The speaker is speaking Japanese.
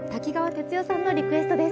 哲世さんのリクエストです。